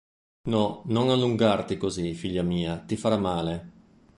No, non allungarti così, figlia mia, ti farà male.